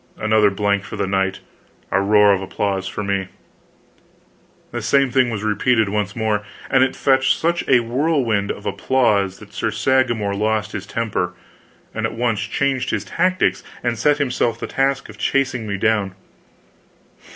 Another blank for the knight, a roar of applause for me. This same thing was repeated once more; and it fetched such a whirlwind of applause that Sir Sagramor lost his temper, and at once changed his tactics and set himself the task of chasing me down.